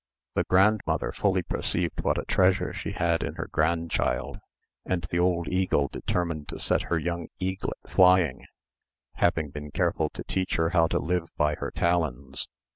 The grandmother fully perceived what a treasure she had in her grandchild; and the old eagle determined to set her young eaglet flying, having been careful to teach her how to live by her talons.